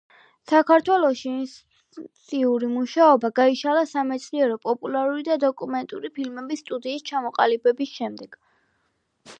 საქართველოში ინტენსიური მუშაობა გაიშალა სამეცნიერო-პოპულარული და დოკუმენტური ფილმების სტუდიის ჩამოყალიბების შემდეგ.